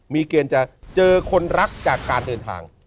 มีเกณฑ์จะเจอคนรักจากการเดินทาง